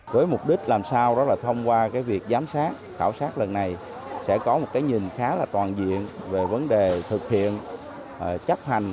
với mục đích làm sao đó là thông qua cái việc giám sát khảo sát lần này sẽ có một cái nhìn khá là toàn diện về vấn đề thực hiện chấp hành